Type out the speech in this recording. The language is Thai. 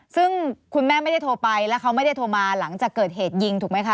ซึ่งคุณแม่ไม่ได้โทรไปแล้วเขาไม่ได้โทรมาหลังจากเกิดเหตุยิงถูกไหมคะ